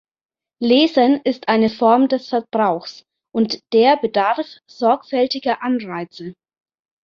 Lesen ist eine Form des Verbrauchs, und der bedarf sorgfältiger Anreize.